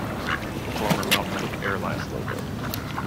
The former Mount Cook Airlines logo.